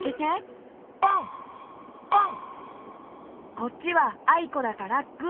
こっちは「あいこ」だからグー！